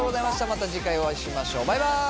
また次回お会いしましょうバイバイ。